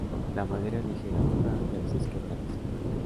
La madera es ligera, dura, y a veces quebradiza.